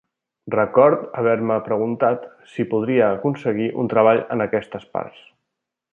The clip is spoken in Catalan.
Record haver-me preguntat si podria aconseguir un treball en aquestes parts.